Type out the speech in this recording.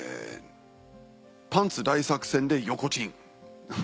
「パンツ大作戦で横チン」。